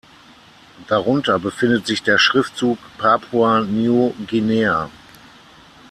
Darunter befindet sich der Schriftzug „Papua New Guinea“.